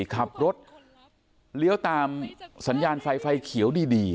ขับรถเลี้ยวตามสัญญาณไฟไฟเขียวดี